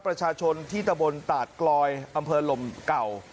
ประชาชนที่ตะบนตาดกลอยอำเภอลมเก่า